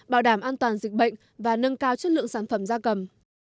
bảo đảm an toàn dịch bệnh và nâng cao chất lượng sản phẩm da cầm